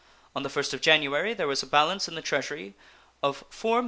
On the first of January there was a balance in the Treasury of $4,237,427.